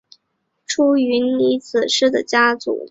出云尼子氏的家祖。